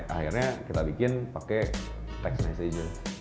akhirnya kita bikin pakai text messages